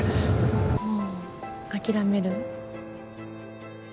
もう諦める？